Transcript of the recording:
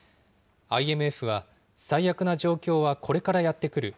ＩＭＦは最悪な状況はこれからやって来る。